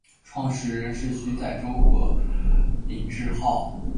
创始人是徐载弼和尹致昊。